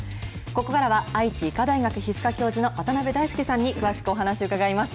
ここからは愛知医科大学皮膚科教授の渡辺大輔さんに詳しくお話伺います。